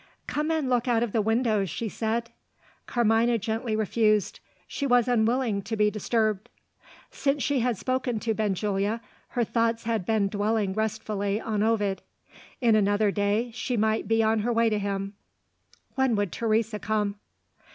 "Come and look out of window," she said. Carmina gently refused: she was unwilling to be disturbed. Since she had spoken to Benjulia, her thoughts had been dwelling restfully on Ovid. In another day she might be on her way to him. When would Teresa come?